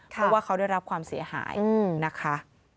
เพราะว่าเขาได้รับความเสียหายนะคะ